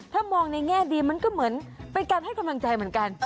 ถ้ามองในแง่ดีมันก็เหมือนเป็นการให้กำลังใจเหมือนกัน